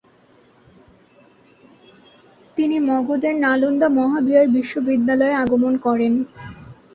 তিনি মগধের নালন্দা মহাবিহার বিশ্ববিদ্যালয়ে আগমন করেন।